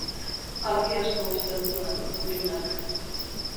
Argi asko uzten zuen gutunak.